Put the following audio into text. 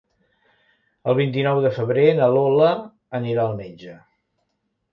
El vint-i-nou de febrer na Lola anirà al metge.